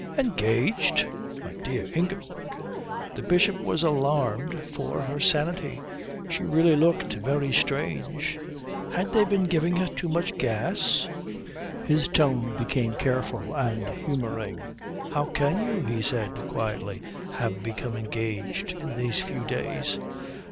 "Engaged? My dear Ingeborg." The Bishop was alarmed for her sanity. She really looked very strange. Had they been giving her too much gas? His tone became careful and humouring. "How can you," he said quietly, "have become engaged in these few days?"